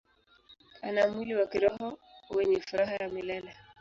Ana mwili wa kiroho wenye furaha ya milele.